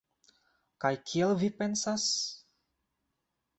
Kaj kiel vi pensas?